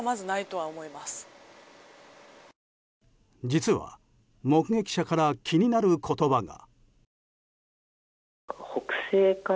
実は、目撃者から気になる言葉が。